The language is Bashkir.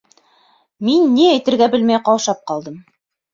Мин ни әйтергә белмәй ҡаушап ҡалдым.